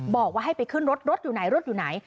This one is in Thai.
บอกว่าให้ไปขึ้นรถรถอยู่ไหนรถอยู่ไหน